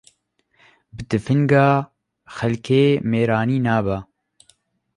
Bi tifinga xelkê mêrani nabe